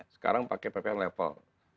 sekarang pakai ppkm level satu dua tiga empat